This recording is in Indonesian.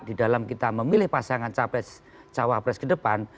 di dalam kita memilih pasangan cawapres ke depan